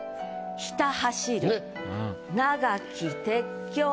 「ひた走る長き鉄橋」。